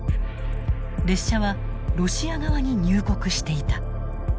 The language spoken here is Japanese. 列車はロシア側に入国していた。